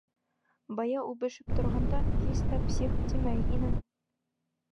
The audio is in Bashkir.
Бая үбешеп торғанда һис тә псих тимәй инең.